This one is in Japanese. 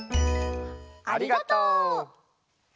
ありがとう！